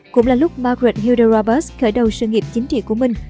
cũng là lúc margaret hilde roberts khởi đầu sự nghiệp chính trị của mình